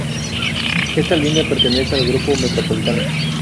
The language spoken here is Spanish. Esta línea pertenece al Grupo Metropolitano.